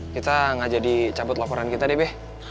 kita ngajak dicabut laporan kita deh be